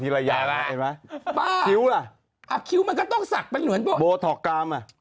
เพราะฟันไปทีละอย่างนะเห็นไหมคิ้วอ่ะโบท็อกกราม